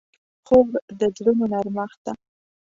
خور د زړونو نرمښت ده.